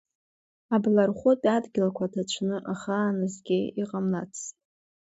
Аблархәытәи адгьылқәа ҭацәны ахааназгьы иҟамлацызт.